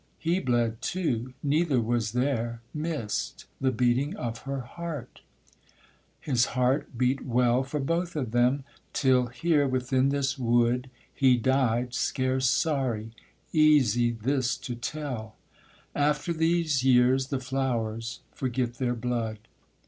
he bled too, neither was there miss'd The beating of her heart, his heart beat well For both of them, till here, within this wood, He died scarce sorry; easy this to tell; After these years the flowers forget their blood.